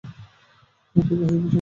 এটির কাহিনী ও সংলাপ লিখেছেন কমল সরকার।